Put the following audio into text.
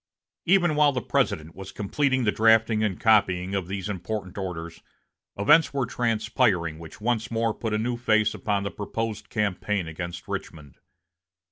Even while the President was completing the drafting and copying of these important orders, events were transpiring which once more put a new face upon the proposed campaign against Richmond.